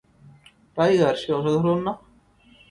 Tiger, সে অসাধারণ না?